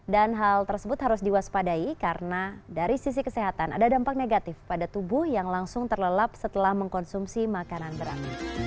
dan hal tersebut harus diwaspadai karena dari sisi kesehatan ada dampak negatif pada tubuh yang langsung terlelap setelah mengkonsumsi makanan berat